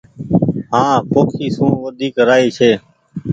هآنٚ پوکي سون وديڪ رآئي ڇي